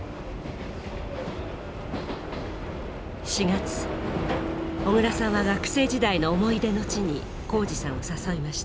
４月小椋さんは学生時代の思い出の地に宏司さんを誘いました。